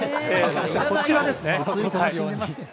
こちらですね。